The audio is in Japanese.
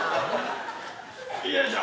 よいしょ！